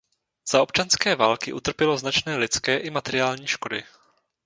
Za občanské války utrpělo značné lidské i materiální škody.